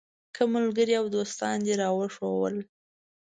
که ملګري او دوستان دې راوښودل.